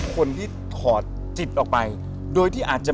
คนที่ถอดจิตออกไปโดยที่อาจจะ